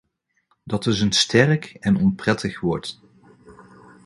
Dat is een sterk en onprettig woord.